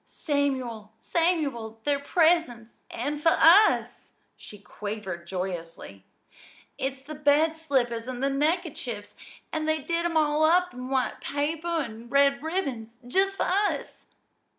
"Samuel, Samuel, they're presents an' for us!" she quavered joyously. "It's the bed slippers and the neckerchiefs, an' they did 'em all up in white paper an' red ribbons just for us."